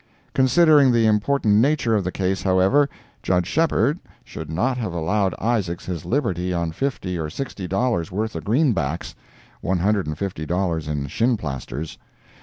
Considering the important nature of the case, however, Judge Shepheard should not have allowed Isaacs his liberty on fifty or sixty dollars' worth of green backs—one hundred and fifty dollars in shinplasters.